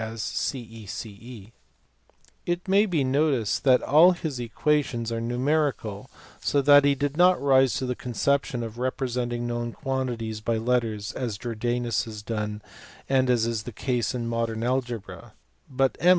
215 may be noticed that all his equations are numerical so that he did not rise to the conception of representing known quan tities by letters as Jordanus had done and as is the case in modern algebra : but M.